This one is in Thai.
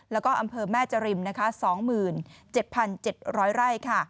และอำเภอแม่เจริม๒๗๗๐๐ไร่